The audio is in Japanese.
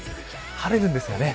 晴れるんですがね。